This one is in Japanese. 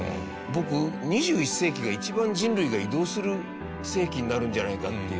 僕２１世紀が一番人類が移動する世紀になるんじゃないかって。